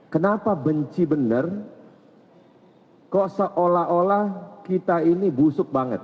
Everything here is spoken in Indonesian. kenapa benci benar kok seolah olah kita ini busuk banget